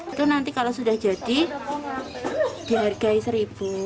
itu nanti kalau sudah jadi dihargai rp satu